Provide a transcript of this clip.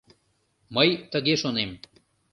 Мый тыге шонем».